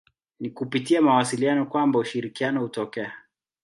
Ni kupitia mawasiliano kwamba ushirikiano hutokea.